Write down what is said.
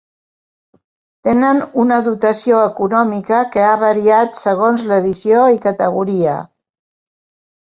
Tenen una dotació econòmica que ha variat segons l'edició i categoria.